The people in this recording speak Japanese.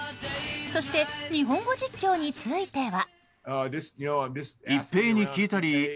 そして日本語実況については。